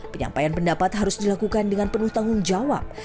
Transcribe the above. penyampaian pendapat harus dilakukan dengan penuh tanggung jawab